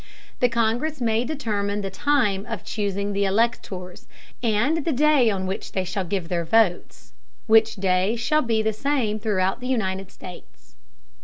The Congress may determine the Time of chusing the Electors, and the Day on which they shall give their Votes; which Day shall be the same throughout the United States.